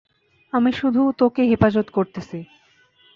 আমি শুধু তোকে হেফাজত করতেছি।